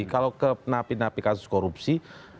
kalau ke napi napi kasus korupsi